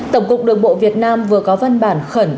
tổng cục đường bộ việt nam vừa có văn bản khẩn